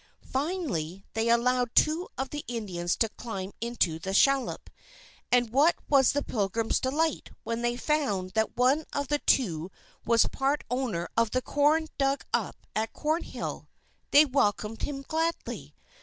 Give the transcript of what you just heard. Finally, they allowed two of the Indians to climb into the shallop. And what was the Pilgrims' delight when they found that one of the two was part owner of the corn dug up at Cornhill. They welcomed him gladly.